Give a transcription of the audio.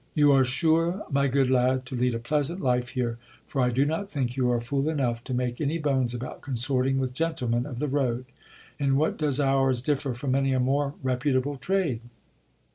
You are sure, my good lad, to lead a pleasant life here ; for I do not think you are fool enough to make any bones about consorting with gentlemen of the road. In what does ours differ from many a more reputable trade